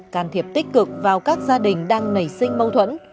can thiệp tích cực vào các gia đình đang nảy sinh mâu thuẫn